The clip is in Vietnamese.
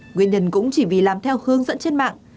nguyên nhân cũng chỉ vì làm theo hướng dẫn trên mạng